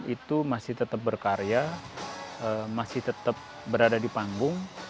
itu masih tetap berkarya masih tetap berada di panggung